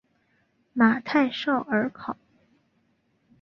马泰绍尔考。